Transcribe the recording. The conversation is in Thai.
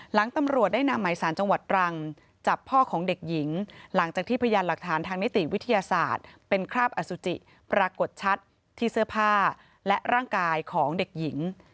หลังตำรวจได้นำหมายสารจังหวัดตรังจับพ่อของเด็กหญิงหลังจากที่พยานหลักฐานทางนิติวิทยาศาสตร์เป็นคราบอสุจิปรากฏชัดที่เสื้อผ้าและร่างกายของเด็กหญิง